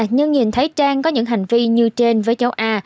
nhưng nhìn thấy trang có những hành vi như trên với cháu a